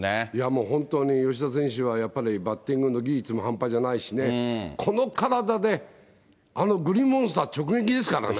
もう本当に吉田選手はやっぱりバッティングの技術も半端じゃないしね、この体であのグリーンモンスター直撃ですからね。